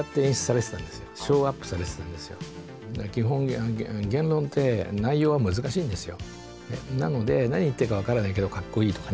基本言論って内容は難しいんですよ。